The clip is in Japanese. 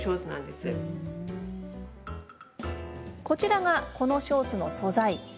こちらが、このショーツの素材。